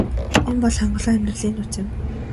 Энэ бол хангалуун амьдралын нууц юм.